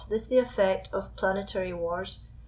this the effect of planetarie warrs!